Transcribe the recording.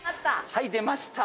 はい出ました！